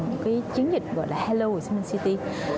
một cái chiến dịch gọi là hello ho chi minh city